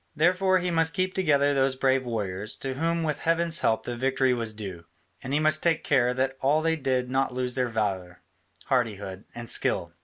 Therefore he must keep together those brave warriors, to whom with heaven's help the victory was due, and he must take all care that they did not lose their valour, hardihood, and skill.